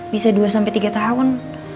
bisa dua tiga tahun